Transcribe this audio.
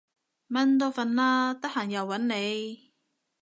蚊都瞓喇，得閒又搵你